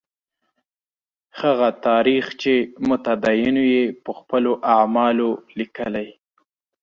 هغه تاریخ چې متدینو یې په خپلو اعمالو لیکلی.